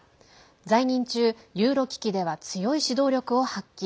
在任中、ユーロ危機では強い指導力を発揮。